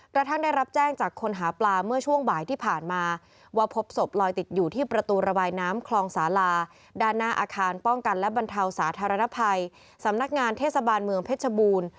กระทั่งได้รับแจ้งจากคนหาปลาเมื่อช่วงบ่ายที่ผ่านมาว่าพบศพลอยติดอยู่ที่ประตูระบายน้ำคลองสาลาด้านหน้าอาคารป้องกันและบรรเทาสาธารณภัยสำนักงานเทศบาลเมืองเพชรบูรณ์